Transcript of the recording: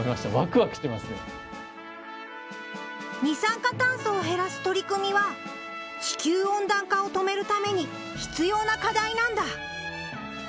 二酸化炭素を減らす取り組みは地球温暖化を止めるために必要な課題なんだ。